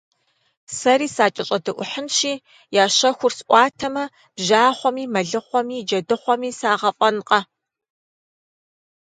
Сэри сакӀэщӀэдэӀухьынщи, я щэхур сӀуатэмэ, бжьахъуэми, мэлыхъуэми, джэдыхъуэми сагъэфӀэнкъэ!